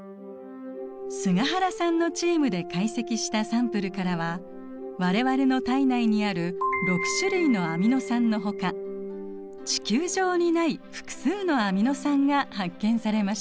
菅原さんのチームで解析したサンプルからは我々の体内にある６種類のアミノ酸のほか地球上にない複数のアミノ酸が発見されました。